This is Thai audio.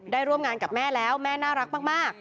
ร่วมงานกับแม่แล้วแม่น่ารักมาก